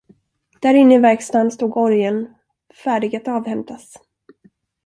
Där inne i verkstan stod orgeln färdig att avhämtas.